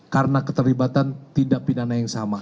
karena keterlibatan tindak pidana yang sama